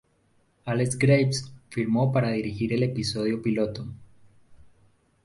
Alex Graves firmó para dirigir el episodio piloto.